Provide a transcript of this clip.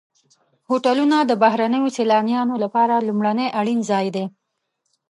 هوټلونه د بهرنیو سیلانیانو لپاره لومړنی اړین ځای دی.